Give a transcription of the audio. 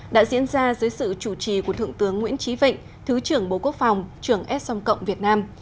đã diễn ra dưới sự chủ trì của thượng tướng nguyễn trí vịnh thứ trưởng bộ quốc phòng trưởng s som cộng việt nam